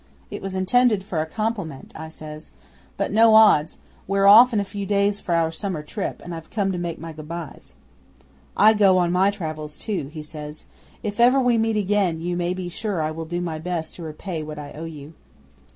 '"It was intended for a compliment," I says. "But no odds. We're off in a few days for our summer trip, and I've come to make my good byes." '"I go on my travels too," he says. "If ever we meet again you may be sure I will do my best to repay what I owe you."